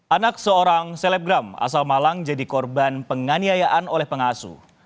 anak seorang selebgram asal malang jadi korban penganiayaan oleh pengasuh